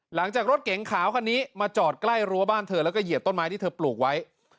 หลังจากรถเก๋งขาวคันนี้มาจอดใกล้รั้วบ้านเธอแล้วก็เหยียบต้นไม้ที่เธอปลูกไว้